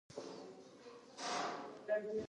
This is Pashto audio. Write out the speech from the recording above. دوی دواړه ډېر زړور ځوانان ول.